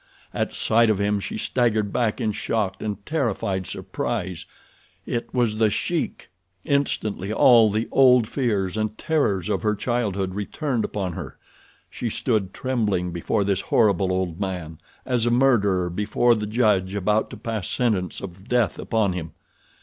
At sight of him she staggered back in shocked and terrified surprise. It was The Sheik! Instantly all the old fears and terrors of her childhood returned upon her. She stood trembling before this horrible old man, as a murderer before the judge about to pass sentence of death upon him.